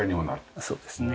そうですね。